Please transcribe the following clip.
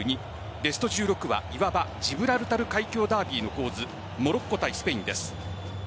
ベスト１６は、いわばジブラルタル海峡ダービーの構図モロッコ対スペインです。